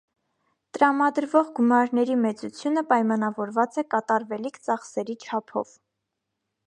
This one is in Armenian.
Տրամադրվող գումարների մեծությունը պայմանավորված է կատարվելիք ծախսերի չափով։